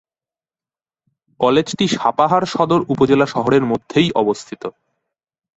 কলেজটি সাপাহার সদর উপজেলা শহরের মধ্যেই অবস্থিত।